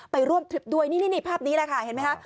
ไปร่วมทริปด้วยนี่ภาพนี้แหละค่ะเห็นไหมคะ